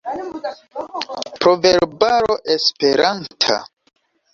Proverbaro esperanta.